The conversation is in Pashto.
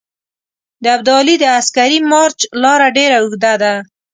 د ابدالي د عسکري مارچ لاره ډېره اوږده ده.